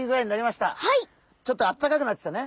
ちょっとあったかくなってきたね。